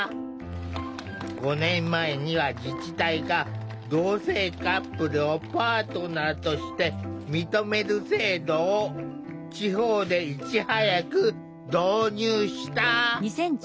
５年前には自治体が同性カップルをパートナーとして認める制度を地方でいち早く導入した。